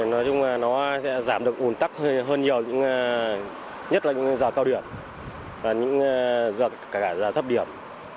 nói chung là nó sẽ giảm được ủn tác hơn nhiều nhất là những giọt cao điểm và những giọt thấp điểm